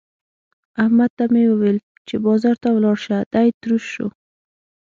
احمد ته مې وويل چې بازار ته ولاړ شه؛ دی تروش شو.